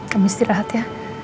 kamu istirahat ya